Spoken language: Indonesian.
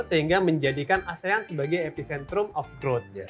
sehingga menjadikan asean sebagai epicentrum of growth